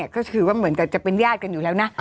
ก็คือว่าเหมือนกับจะเป็นญาติกันอยู่แล้วนะ